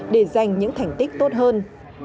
để giành những thành tích tốt hơn